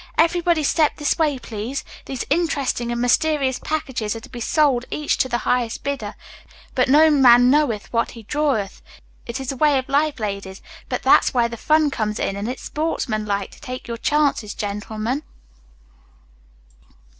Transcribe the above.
Everybody step this way, please. These interesting and mysterious packages are to be sold each to the highest bidder. But no man knoweth what he draweth. It is the way of life, ladies, but that's where the fun comes in, and it's sportsmanlike to take your chances, gentlemen."